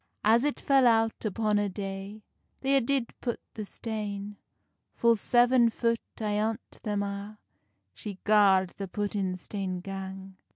As it fell out upon a day, They a did put the stane; Full seven foot ayont them a She gard the puttin stane gang.